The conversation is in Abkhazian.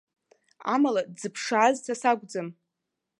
Амала дзыԥшааз са сакәӡам.